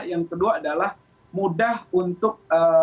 yang kedua adalah mudah untuk